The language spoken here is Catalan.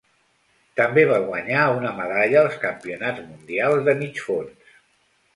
També va guanyar una medalla als Campionats mundials de Mig fons.